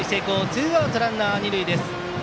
ツーアウトランナー、二塁です。